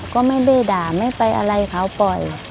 ก็ไม่ได้ด่าไม่ไปอะไรเขาปล่อย